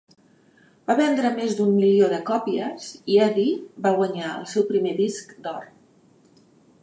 Va vendre més d'un milió de còpies i Eddy va guanyar el seu primer disc d'or.